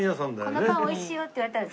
このパン美味しいよって言われたら。